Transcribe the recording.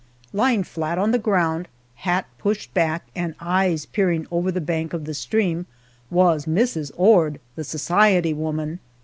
Lying flat on the ground, hat pushed back, and eyes peering over the bank of the stream, was Mrs. Ord, the society woman!